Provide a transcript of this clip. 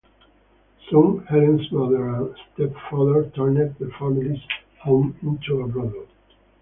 Soon, Helen's mother and stepfather turned the family's home into a brothel.